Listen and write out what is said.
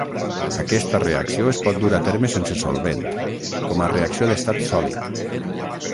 Aquesta reacció es pot dur a terme sense solvent, com a reacció d'estat sòlid.